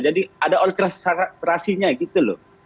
jadi ada orkestrasinya gitu loh